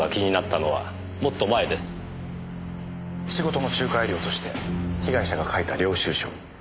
仕事の仲介料として被害者が書いた領収書。